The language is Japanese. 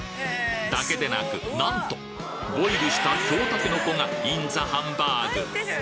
だけでなくなんとボイルした京たけのこがインザハンバーグ！